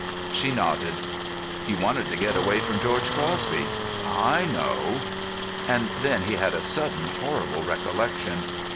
She nodded. "You wanted to get away from George Crosby; I know." And then he had a sudden horrible recollection.